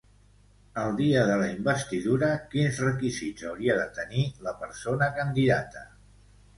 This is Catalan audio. El dia de la investidura, quins requisits hauria de tenir la persona candidata?